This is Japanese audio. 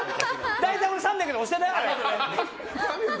大体俺、３００で押したな！